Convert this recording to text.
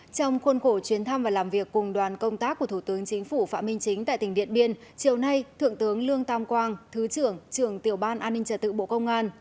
trong khuôn khổ chuyến thăm và làm việc cùng đoàn công tác của thủ tướng chính phủ phạm minh chính tại tỉnh điện biên chiều nay thượng tướng lương tam quang thứ trưởng trường tiểu ban an ninh trả tự bộ công an